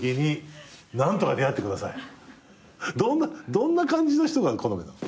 どんな感じの人が好みなの？